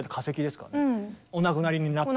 お亡くなりになった。